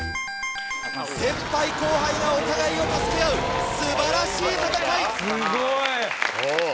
先輩後輩がお互いを助け合う素晴らしい戦い。